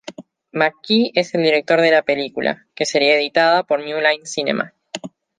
McG es el director de la película, que seria editada por New Line Cinema.